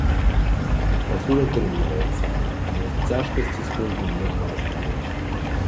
Пакуль атрымліваецца, але цяжкасці з кожным днём нарастаюць.